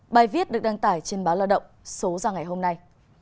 bài viết được đăng tải trên báo lao động số ra ngày hôm nay